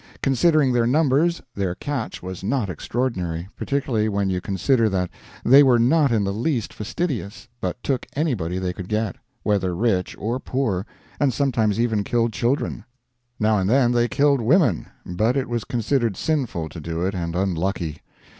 Considering their numbers, their catch was not extraordinary particularly when you consider that they were not in the least fastidious, but took anybody they could get, whether rich or poor, and sometimes even killed children. Now and then they killed women, but it was considered sinful to do it, and unlucky.